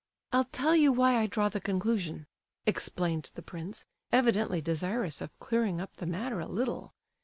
"I'll tell you why I draw the conclusion," explained the prince, evidently desirous of clearing up the matter a little.